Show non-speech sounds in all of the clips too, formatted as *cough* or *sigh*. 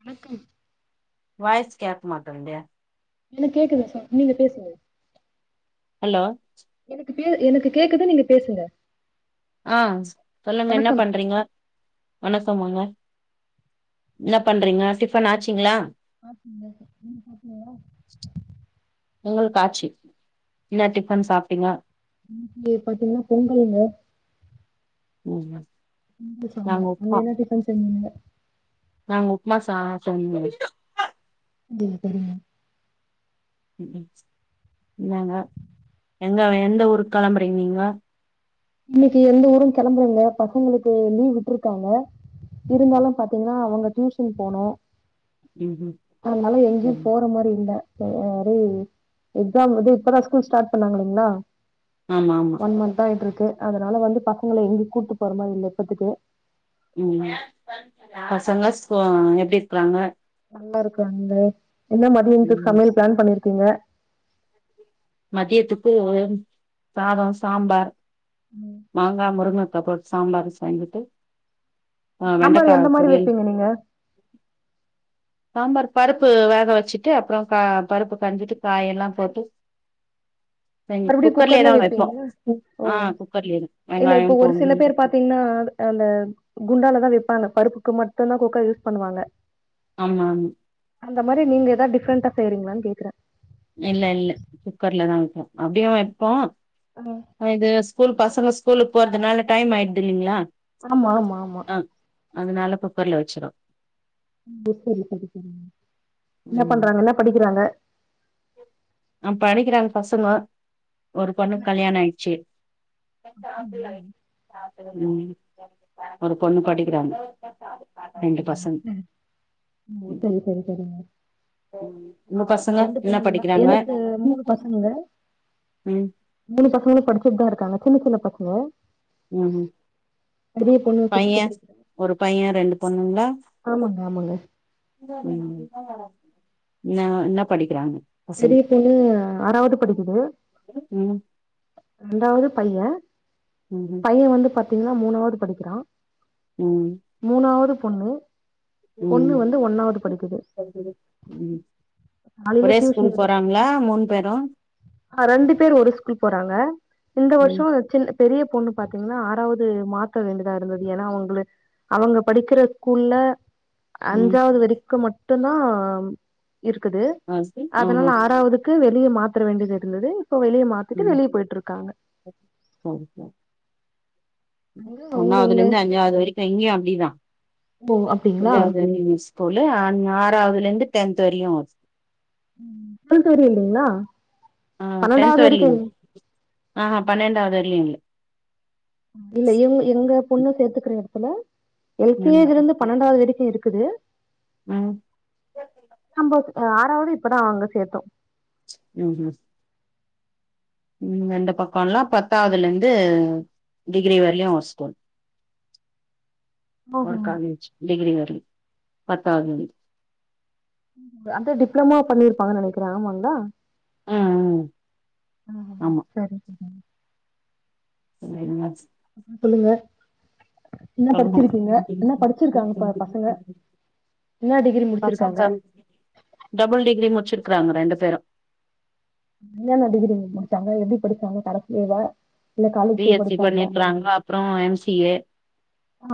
வணக்கம் வாய்ஸ் கேக்க மாட்டேன்து இல்ல கேக்குதுங்க சார் நீங்க பேசுங்க ஹலோ எனக்கு கே எனக்கு கேக்குதே நீங்க பேசுங்க ஆ சொல்லுங்க என்ன வணக்கம் பண்றீங்க வணக்கம் வாங்க என்ன பண்றீங்க டிஃபன் ஆச்சுங்களா ஆ *unintelligible* நீங்க சாப்டீங்களா எங்களுக்கு ஆச்சு என்னா டிஃபன் சாப்டீங்கா இன்னைக்கி பாத்தீங்கனா பொங்கல்ங்க ம் ம் பொங்கல் சாம்பார் அது என்ன டிஃபன் செஞ்சீங்க நாங்க உப்புமா சாப்டோ தோழி *unintelligible* ரிங்க இந்தாங்க எங்க எந்த ஊருக்கு கெளம்புறீங்க நீங்கோ இன்னைக்கு எந்த ஊரும் கெளம்பலங்க பசங்களுக்கு லீவ் விட்டுருக்காங்க இருந்தாலு பாத்தீங்கன்னா அவுங்க டியூஷன் போனு ம் ம் அதனால எங்கேயு ம் போற மாரி இல்ல செரி எக்ஸாம் வந்து இப்பதா ஸ்கூல் ஸ்டார்ட் பண்ணாங்களே என்னா ஆமாமா ஒன் மன்த்தா ஆயிட்டு இருக்கு அதுனால வந்து பசங்கள எங்கியு கூட்டு போற மாரி இல்ல இப்பத்துக்கு ம் பசங்க ஸ் எப்டி இருக்குறாங்க நல்லாருக்காங்க என்னா மதியானத்துக்கு ம் சமையல் ப்ளான் பண்ணிருக்கீங்க மதியத்துக்கு சாதொ சாம்பார் ம் மாங்கா முருங்கக்கா போட்டு சாம்பார் செய்துட்டு ஆ சாம்பார் வெண்டக்கா எந்த மாரி பொரியல் வைப்பீங்க நீங்க சாம்பார் பருப்பு வேக வச்சுட்டு அப்றோ கா பருப்பு கடஞ்சுட்டு காயெல்லா போட்டு செஞ்சு மறுபடியு தா குக்கர்லயே வைப்போ வெப்பீங்களா ஓ ஆ குக்கர்லயே தா இல்ல இப்போ வெங்காயம் ஒரு சில பூண்டு பேர் பாத்தீங்கன்னா அது அந்த குண்டாலதா வெப்பாங்க பருப்புக்கு மட்டுந்தா குக்கர் யூஸ் பண்ணுவாங்க ஆமா ஆமா அந்த மாரி நீங்க ஏதா டிஃப்ரண்டா செய்ரிங்களான்னு கேக்குறே இல்ல இல்ல குக்கர்லதா வப்போ அப்டியு வைப்போ ம் ம் இது ஸ்கூல் பசங்க ஸ்கூலுக் போறதுனால டைம் ஆயிடுது இல்லிங்களா ஆமாமாமா அ அதுனால குக்கர்ல வச்சுரு *unintelligible* என்ன ம் பண்றாங்க என்ன படிக்கிறாங்க அ படிக்கிறாங்க பசங்கோ ஒரு பொண்ணுக்கு கல்யாணோ ஆயிச்சு அப்படிங்களா? ம் ஒரு பொண்ணு படிக்கிறாங்க ரெண்டு பசங்க சரி சரி சரிங்க ம் உங்க பசங்க ரெண்டு என்ன பொண்ணுங்களா படிக்கிறாங்க எனக்கு மூணு ம் மூனு பசங்களு படுச்சுட்டுதா இருக்காங்க சின்ன சின்ன பசங்க ம் பெரிய பொண்ணு பையே சிக்ஸ்த் படிக்கிறா ஒரு பையே ரெண்டு பொண்ணுங்களா ஆமாங்க ஆமாங்க ம் என்னா என்னா படிக்கிறாங்க பசங்க பெரிய பையெ ஆறாவ்து படிக்குது ம் ரெண்டாவது பையெ ம் ம் பையே வந்து பாத்தீங்கன்னா மூணாவது படிக்கிறா ம் மூணாவது பொண்ணு பொண்ணு ம் வந்து ஒன்னாவது படிக்குது ம் காலேலயே ஒரே ட்யூஷ் ஸ்கூல் போறாங்களா மூணு பேரு ஆ ரெண்டு பேரு ஒரு ஸ்கூல் போறாங்க இந்த வர்ஷோ ம் சின் பெரிய பொண்ணு பாத்தீங்கன்னா ஆறாவது மாத்த வேண்டிதா இருந்தது ஏனா அவுங்ளே அவுங்க படிக்கிற ஸ்கூல்ல ம் அஞ்சாது வரைக்கு மட்டுந்தா இருக்குது ஆ அதுனால ஆஹா ஆறாவதுக்கு வெளிய மாத்ர வேண்டியது இருந்தது இப்போ வெளிய மாத்திட்டு வெளிய போயிட்டு இருக்காங்க சேரி சேரி அங்க அவங்க ஒண்ணாவதுல உங்க இருந்து அஞ்சாவது வரைக் இல்ல இங்கியு அப்டிதா ஓ அப்டிங்களா *unintelligible* தோழு அன் ஆறாவதுல இருந்து டென்த் வரையு ஒரு ம் டொல்த் வரயு இல்லெங்ளா ஆ டென்த் வரயு இல்ல அ ஆ பன்னெண்டாவது வரயு இல்ல இல்ல இவுங்க எங்க பொண்ணு சேத்துக்குற எடத்துல எல் கே ம் ஜி லெர்ந்து பன்னெண்டாவ்து வரைக்கு இருக்குது ம் நம்ப அ ஆறாவது இப்பதா அங்க சேத்தோ ம் ம் ம் இந்த பக்கோல்லா பத்தாவதுல இருந்து டிகிரி வரலியு ஒரு ஸ்கூல் ஓஹோ ஒரு காலேஜ் டிகிரி வரலங் பத்தாவது *unintelligible* அதா டிப்ளம்மோ பண்ணிருப்பாங்க நெனைக்கிறே ஆமாங்களா ம் ம் ம் ஆமா செரிங்க அது என்னாச்சு சொல்லுங்க என்ன படிச்சிருக்கீங்க என்ன படிச்சிருக்காங்க ப பசங்க என்னா டிகிரி முடிச்சிருக்காங்க? பசங்க டபுள் டிகிரி முச்சிருக்குறாங்க ரெண்டு பேரு என்னன்ன டிகிரி முடிச்சாங்க எப்டி படிச்சாங்க கடைசில பி எஸ் சி பண்ணிருக்கறாங்க அப்றோ எம் சி ஏ ஆ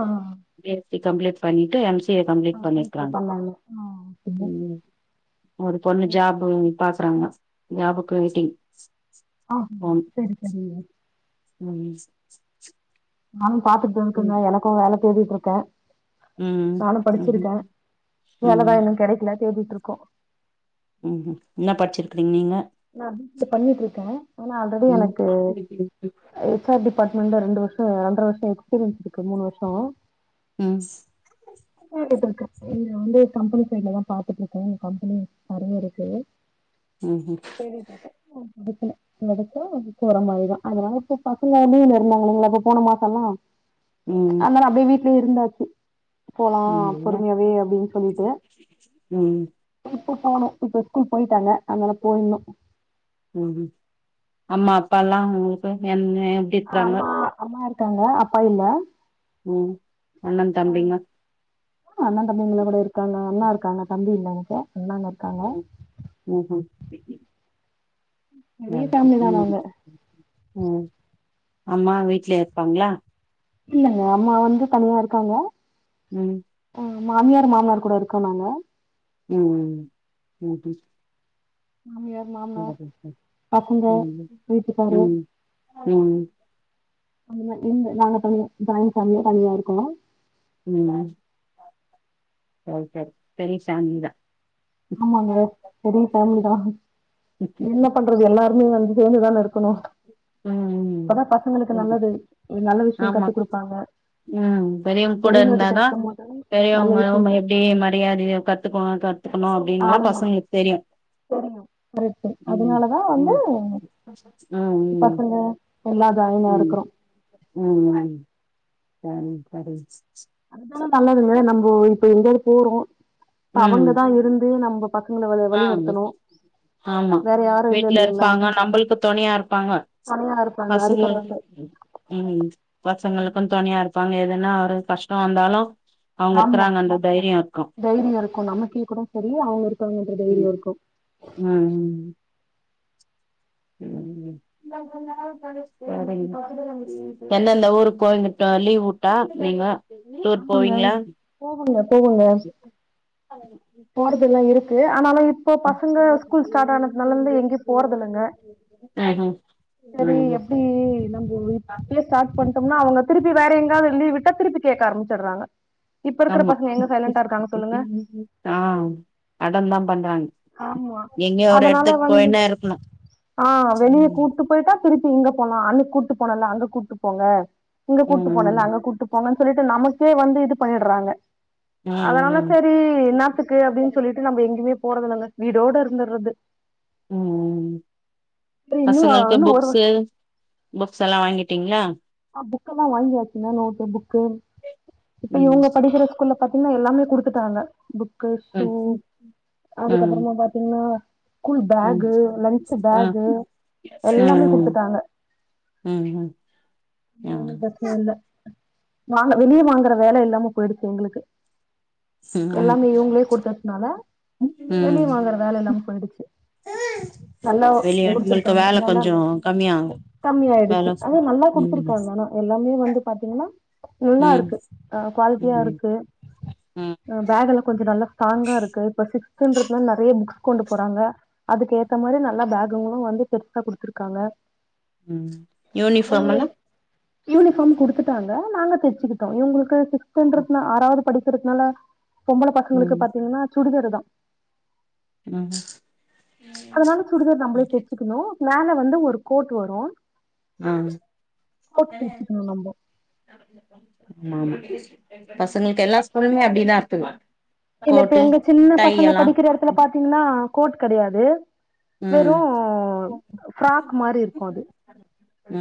பி எஸ் சி கம்ப்ளீட் பண்ணிட்டு M C A complete M பண்ணிருக்கறாங்க பண்ணாங்க ஆ ஓகேங்க ம் ஒரு பொண்ணு ஜாபு பாக்கறாங்க ஜாப்க்கு வெயிட்டிங் ஆ ஆம் சரி சரி ஆ நானு பாத்துட்டுதான் இருக்கங்க ம் எனக்கு வேல தேடிட்டு இருக்கன் நானு ம் படிச்சிருக்கன் ம் வேலதான் இன்னு கெடைக்கல தேடிட்டு இருக்கோ ம்ஹும் என்ன படிச்சிருக்றீங்க நீங்க? நா பி சி ஏ பண்ணிட்டு இருக்கேன் ஆனா ஆல்ரெடி ம் எனக்கு எச் ஆர் டிபார்ட்மெண்ட் ரெண்டு வருஷோ ரெண்டரை வருஷோ எக்ஸ்பீரியன்ஸ் இருக்கு மூனு வருஷோ ம் தேடிட்டு இருக்கேன் இங்க வந்து கம்பெனி சைடுலதான் பாத்துட்டு இருக்கேன் இங்க கம்பெனி நெறையா இருக்கு ம் சேரி பாப்பா அ வெத்தல எடுத்தா போரமாறிதான் அதனால இப்ப பசங்க வெளில இருந்தாங்க இல்லைங்ளா இப்ப போன மாசோ எல்லா ம் அதனால அப்டியே வீட்லயே இருந்தாச்சு போலா ஆமால்ல பொறுமையாவே அப்டின் சொல்லிட்டு ம் இப்ப போணு இப்ப ஸ்கூல் போயிட்டாங்க அனால போயிணு ம் அம்மா அப்பா எல்லா உங்களுக்கு என்ன இருக்கறாங்க அம்மா அம்மா இருக்காங்க அப்பா இல்ல ம் அண்ண தம்பிங்க அண்ண தம்பிங்கள கூட இருக்காங்க அண்ணா இருக்காங்க தம்பி இல்ல எனக்கு அண்ணாங்க இருக்காங்க ம்ஹும் *unintelligible* பெரிய ஃபேமிலி தான் ம் நாங்க ம் அம்மா வீட்லே இருப்பாங்களா இல்லங்க அம்மா வந்து தனியா இருக்காங்க ம் ஆ மாமியார் மாமனார் கூட இருக்கோ நாங்க ம் ம்ம் மாமியார் மாமனார் சரி பசங்க ம் வீட்டுக்காரு ம் ம் அந்த மாரி இந்த நாங்க தனியா ஜாயின் ஃபேமிலியா தனியா இருக்கோ ம் ரைட்டு பெரிய சாமிக்கு தா ஆமாங்க பெரிய ஃபேமிலி தா என்ன பண்றது எல்லாருமே வந்து சேந்து தானே இருக் இருக்கணு ம் அப்பதா பசங்களுக்கு ம். நல்லது நல்ல விஷய ஆமா கத்து குடுப்பாங்க ம் பெரியவங்க கூட கிட்ட இருந்தாதா இருக்கும் போது நல்ல பெரியவங்களு விஷயம் அவங்கள தெ எப்டி மரியாதை கத் இப்ப கத்துக்கணு அப்டின்னுல்லா ஆமா பசங்களுக்கு தெரியு தெரியு கரெக்ட் ம். அதனாலதா வந்து ம். ஆ. ம். பசங்க எல்லா ஜாய்னா ம். இருக்கிறோ ம் ம் சரி அதுதானே நல்லதுங்க நம்போ இப்ப எங்கயாவது போறோம் ம். அவங்கதான் இருந்து நம்ப பசங்களை வேற ஆ. வழி நடத்தணும். ஆமா வீட்ல இருப்பாங்க நம்மளுக்கு துணையா இருப்பாங்க தனியா இருப்பாங்க அது பசங்காலா கரெக்ட்டு ம் பசங்களுக்கும் துணையா இருப்பாங்க எதுன்னா அவரு கஷ்டம் வந்தாலும் அவுங்க இருக்கிறாங்கன்ற அந்த தைரியம் இருக்கும் தைரியம் இருக்கும் நமக்கே கூடே சேரி அவங்க இருக்காங்கன்ற தைரியம் இருக்கும் ம் ம் ம் சேரிங்க எந்தெந்த ஊருக்கு போய்மிட்ட லீவ் விட்டா நீங்க டூர் ஆமாங்க போவீங்களா? போகுங்க போகுங்க போறதில்ல இருக்கு ஆனாலும் எங்கயு போறதில்லங்க அ ம் ம் ம் ம் ம் நம்ம இப்பயே ஸ்டார்ட் பண்ணிட்டோம்னா அவங்க திருப்பி வேற எங்காயாவது லீ விட்டா திருப்பி கேக் ஆரம்பச்சிட்றாங்க இப்ப இருக்கற ஆமா. பசங்க எங்க சைலண்டா இருக்காங்க சொல்லுங்க ஆ அடம் தான் பண்றாங்க ஆமா எங்கயோ ஒரு அதனால எடத்துக்கு வந்து போயினே இருக்கணு ஆ வெளிய ம் கூ க்கு போய்ட்டா திருப்பி இங்க போலாம் அன்னிக்கு கூட்டிப் போனலா அங்கே கூட்டிப் போங்க இங்க கூட்டு போல ம் அங்க கூட்டு போங்கன்னு சொல்லிட்டு நமக்கே வந்து இது பண்ணிடுறாங்க அதனால ம் ம் சரி என்னத்துக்கு அப்டின்னு சொல்லிட்டு நம்ம எங்கேயுமே போறதில்லங்க வீடோட இருந்துறது. ம் ம் ம் சரி இன்னு பசங்களுக்கு இன்னு ஒரு புக்ஸ்சு புக்ஸ் எல்லாம் வாங்கிட்டீங்களா? ஆ புக்கெலாம் வாங்கியாச்சுங்கா நோட்டு புக்கு இப்ப ம் இவங்க படிக்கிற ஸ்கூல்ல பார்த்தீங்கன்னா எல்லாமே குடுத்துட்டாங்க புக்கு ஷூ ம் ம் அதுக்கப்பறமா பாத்தீங்கன்னா ஸ்கூல் ம் ம் பேகு, லஞ்ச் பேகு. எல்லாமே ம் குடுத்துட்டாங்க ம் ம் ஆ ஒன்னு பிரச்சன இல்ல வாங்க வெளிய வாங்கற வேல இல்லாம போயிடுச்சு எங்களுக்கு ம் ஆமா எல்லாமே இவங்களே குடுத்ததுனால வெளியே வாங்குற வேலை இல்லாம போயிடுச்சு உஹம் நல்லா குடுத்திருக்காங்க நல்லா கம்மியாகு கம்மிய ஆயிடுச்சு வேல அது நல்லா குடுத்துருக் ம் போனனும் எல்லாமே வந்து பாத்தீங்கன்னா ம் நல்லா ம் இருக்கு ஆ குவாலிட்டியா இருக்கு ம் ஆ பேக் எல்லாம் கொஞ்சம் நல்லா ஸ்ட்ராங்கா இருக்கு இப்போ சிக்ஸ்துங்கிறதுனால நிறைய புக் கொண்டு போறாங்க அதுக்கு ஏத்த மாரி நல்லா பேகுங்களும் வந்து பெருசா குடுத்துருக்காங்க ம் அவங்களே யூனிபார்ம்லா யூனிஃபார்ம் குடுத்துட்டாங்க நாங்க தெச்சுக்கிட்டோம் இவங்களுக்கு சிக்ஸ்த்துன்றனால ஆறாவது படிக்கிறதுனால பொம்பள பசங்களுக்கு ம் பாத்தீங்கனா சுடிதாருதா ம் அதனால சுடிதார் நம்மளே தச்சிக்கணும் மேலே வந்து ஒரு கோர்டு வரும் ம் கோட்டு தெச்சிக்கலாம் நம்ப ஆமா ஆமா பசங்களுக்கு எல்லா ஸ்கூல்லுமே அப்டிதான் இருக்குது இல்ல இப்ப கோட்டு எங்க சின்ன டை பசங்க எல்லா படிக்கிற இடத்துல பாத்தீங்கன்னா கோட் கிடையாது ம் வெறும் ஃப்ராக் மாரி இருக்கும் அது.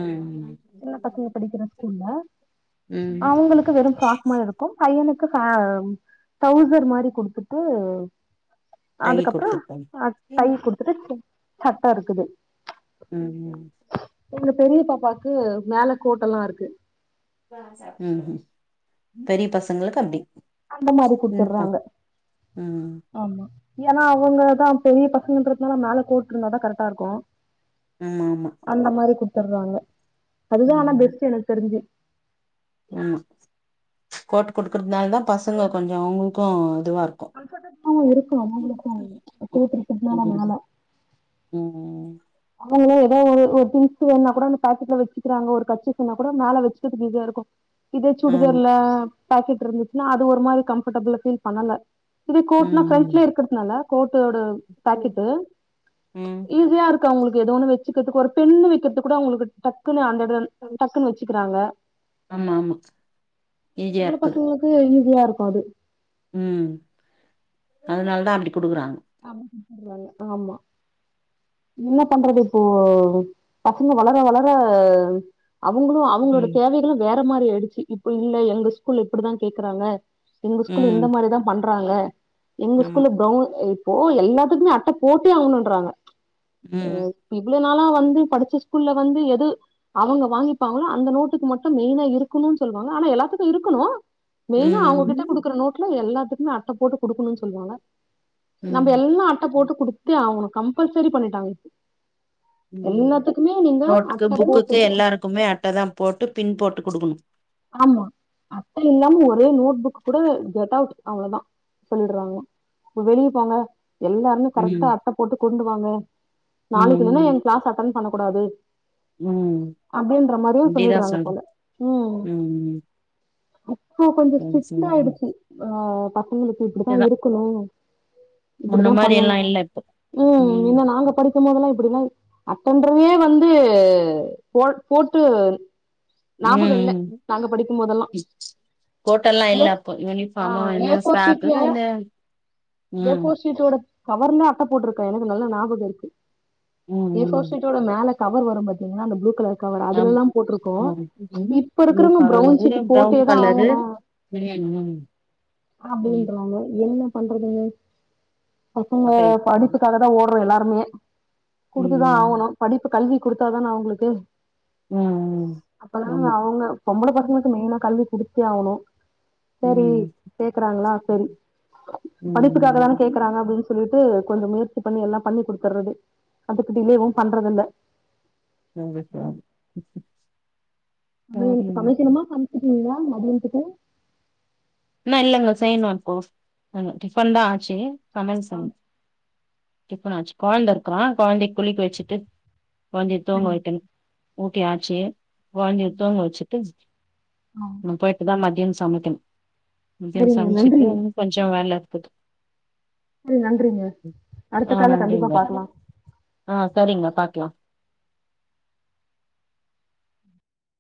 ம் ம் சின்னா பசங்க படிக்கிற ஸ்கூல்ல ம் அவங்களுக்கு வெறும் ஃப்ராக் மாரி இருக்கும் ப்ப பையனுக்கு அ டிரௌசர் மாரி குடுத்துட்டு. டை அதுக்கப்பறோ குடுத்துருக்காங்க அ டை கொடுத்துட்டு சட்ட இருக்குது. ம் ம் எங்க பெரிய பாப்பாக்கு மேல கோட்டல்லா இருக்கு ம் ம் பெரிய பசங்ளுக்கு அப்டி அந்த மாரி சின்ன பச குட்த்துர்றாங்க ம் ஆமா ஏன்னா அவங்கதான் பெரிய பசங்கன்றதுனால மேல கோட்டு இருந்தா தா கரெட்டா இருக்கு ஆமா ஆமா அந்த மாரி குட்த்துர்றாங்க அதுதா ஆனா ம் பெஸ்ட் எனக்கு தெருஞ்சி ஆமா கோட்டு கொடுக்கர்துனால தா பசங்க கொஞ்சோ அவுங்குளுக்கும் இதுவாருக் *unintelligible* இருக்கும் அவுங்குளுக்கும் கூட்டு இருக்கற்னால மேல ம் ம் அவுங்ளே எதாவது ஒரு திங்க்ஸ் வேண்ணா கூட அந்த பாக்கெட்ல வச்சுக்கிறாங்க ஒரு கர்சிப் சொன்னா கூட மேல வெச்சுக்கற்துக்கு ஈஸியாருக்கும் இதே ஆமா சுடிதர்ல பாக்கெட்ருந்துச்னா அது ஒரு மாரி கம்ஃபர்டபுளா ஃபீல் பண்ணல இதே கோட்ன ம் ம் ஃபிரண்ட்லே இருக்கர்துனால கோட்டோட பாக்கெட்டு ம் ஈஸியாருக் க்கு அவுங்குளுக்கு ஏதோன்னு வெச்சுக்கற்துக்கு ஒரு பெண்ணு வைக்கர்துக் கூட அவுங்குளுக்கு டக்குன்னு அந்த ட்ரெ டக்குன்னு வெச்சுக்குறாங்க ஆமா ஆமா ஈஜியார்க்குது கு ஈஸியாருக்கும் அது ம் அதுனால தா அப்டி குடுக்குறாங்க ஆமா துப்பிடுவாங்க ஆமா இன்ன பண்றது இப்போ பசங்க வளர வளர அவுங்குளு அவுங்ளோட ம் தேவைகளு வேற மாரி ஆய்டுச்சி இப்ப இல்ல எங்க ஸ்கூல்ல இப்புடிதா கேக்றாங்க எங்க ஸ்கூல்ல இந்த ம் மாரிதா பண்றாங்க எங்க ஆமா ஸ்கூல்ல ப்ரௌ ப்போ எல்லாத்துக்குமே அட்ட போட்டே ஆவுணும்ன்றாங்க ம் இவ்ளோ. நாளா வந்து படிச்ச ஸ்கூல்ல வந்து எது அவுங்க வாங்கிப்பாங்ளோ அந்த நோட்டுக்கு மட்டு மெய்னா இருக்குணுன் சொல்வாங்க ஆனா எல்லாத்துக்கு இருக்குணூ மெய்னா அவுங்ககிட்ட ம் குடுக்குற நோட்ல எல்லாத்துக்குமே அட்ட போட்டு குடுக்கணுன் சொல்வாங்க நம்ப ம் எல்லா அட்ட போட்டு குடுத்தே ஆவணு கம்ப்பல்சரி பண்ணிட்டாங்க இப் ம் எல்லாத்துக்குமே நீங்க அட்ட போட்டு தா க்குமே அட்ட தா போட்டு பின் போட்டு குடுக்குணு ஆமா அப்ப எல்லாம ஒரே நோட் புக் கூட கெட் அவுட் அவ்ளதா சொல்றாங்க வெளியப் போங்க எல்லா இன்று ம் கரெக்ட்டா அட்ட போட்டு கொண்டு வாங்க நாளைக்கு இல்லன்னா ம் என் க்ளாஸ் அட்டன் பண்ண கூடாது ம் அப்படின்ற மாரியு இப்டிதா சொல்லிடுறாங்க சொல்லு போல ம் ம் இப்போ கொஞ்சோ ம் சரி ஸ்ட்ரிட் ஆய்டுச்சு ஆ பசங்களுக்கு இப்டிதா இதுதா இருக்கணு முன்ன இப்டித்தா மாரி எல்லா பண்ணணு இல்ல இப்போ ம் இல்ல நாங்க படிக் க்கு மோதல்லா இப்புடிலாம் அட்டன்றதே வந்து போட் போட்டு ஞாபக இல்ல ம் நாங்க படிக்குமோதல்லா கோட் எல்லா இல்ல அப்ப யூனிஃபாமு இல்ல ஏ ஃபோர் ஷீட்ல சாக்குக இல்ல ஏ போர் ஷீட்டோட கவர்ல அட்டப் போட்ருக்கே எனக்கு நல்லா ஞாபக இருக்கு ம் ம் ஏ போர் ஷீட்டோட மேல கவர் வரும் பாத்திங்ளா அந்த ப்ளூ கலர் கவர் ஆம் அதுலல்லா போட்ருக்கோ ம் ம் இப் ப்ளூ இப்பருக்குறவங்க ப்ரவுன் கலரு சீட்டு ப்ரவுன் போட்டேதா கலரு ஆவணு ம் ம் ம் அப்டின்றா அவங்கள என்ன பண்றது பசங்க அப்டே படிப்புக்காக தா ஓட்றோ எல்லாருமே ம் குடுத்துதா ம் ஆவணு படிப்பு கல்வி குடுத்தாதான அவுங்குளுக்கு ம் அப்பதா ஆமா அவுங்க பொம்பள பசங்களுக்கு மெய்னா கல்வி குடுத்தே ஆவணு செரி ம் கேக்குறாங்களா செரி படிப்புக்காக தான ம் கேக்றாங்க அப்டின்ஸ் சொல்லிட்டு கொஞ்சோ முயற்சி பண்ணி எல்லா பண்ணி குடுத்துர்றது அதுக்கு டிலேவு பண்றது இல்ல *unintelligible* ம் இன்னு சமைக்கனுமா சமச்சிட்டீங்களா மதியானத்துக்கு இன்னு இல்லைங்க செய்ணு இப்போ நாங்க டிஃபன் தா ஆச்சு சமையல் ஆ செய்ணு டிப்பனாச்சு கொழந்த இருக்கான் கொழந்தைய குளிக்க வச்சுட்டு கொழந்தைய தூங்க சரிங்க வைக்கணும் ஓக்கே ஆச்சி கொழந்தைய தூங்க வச்சுட்டு ஆ நா போய் இதா மதியோ சமைக்கணும் மதியம் சரிங்க சமச்சிட்டு நன்றிங்க கொஞ்சோ வேலருக்குது செரி நன்றிங்க அடுத்த ஆ கால்ல கண்டிப்பா நன்றிங்க பாக்கலாம் ஆ சரிங்க பாக்கலா